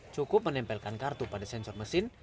cukup menempelkan kartu pada sensor mesin